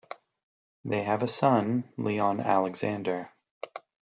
They have a son, Leon Alexander.